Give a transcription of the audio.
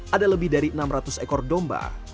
ada lebih dari enam ratus ekor domba